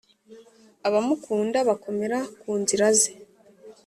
abamukunda bakomera ku nzira ze